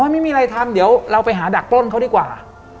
ไม่มีอะไรทำเดี๋ยวเราไปหาดักปล้นเขาดีกว่า